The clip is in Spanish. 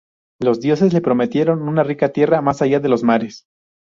Los dioses le prometieron una rica tierra más allá de los mares.